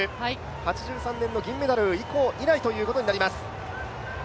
８３年の銀メダル以来ということになります。